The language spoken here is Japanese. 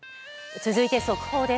続いて速報です。